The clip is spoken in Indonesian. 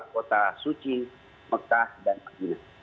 dua kota suci mekah dan makmina